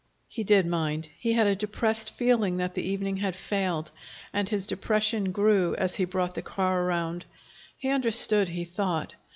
He did mind. He had a depressed feeling that the evening had failed. And his depression grew as he brought the car around. He understood, he thought.